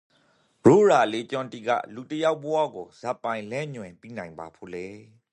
ရိုးရာအလေ့အကျင့်တိကလူတယောက်ဘဝကိုဇာပိုင် လမ်းညွှန်ပီးနိုင်ပါဖို့လဲ?